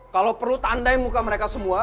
kalau perlu tandai muka mereka semua